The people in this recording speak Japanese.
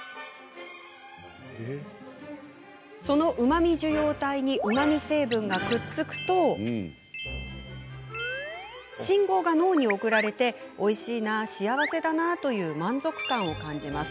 その、うまみ受容体にうまみ成分がくっつくと信号が脳に送られおいしいな、幸せだなという満足感を感じます。